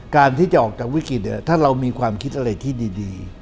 การที่จะออกจากวิกฤตถ้าเรามีความคิดอะไรที่ดี